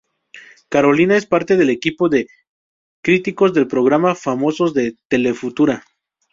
Carolina es parte del equipo de críticos del programa "Famosos", de Telefutura.